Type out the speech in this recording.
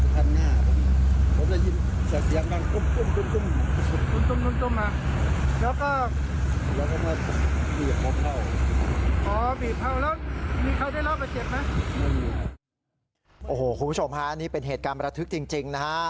คุณผู้ชมฮะนี่เป็นเหตุการณ์ประทึกจริงนะฮะ